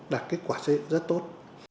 đạt kết quả rất tốt